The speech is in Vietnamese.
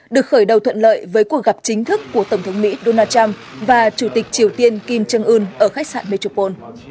được khởi đầu thuận lợi với cuộc gặp chính thức của tổng thống mỹ donald trump và chủ tịch triều tiên kim trương ưn ở khách sạn metropool